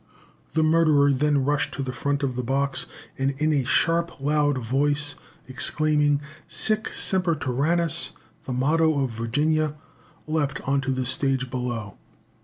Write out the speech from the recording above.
The murderer then rushed to the front of the box, and, in a sharp loud voice, exclaiming, Sic semper tyrannis the motto of Virginia leaped on the stage below.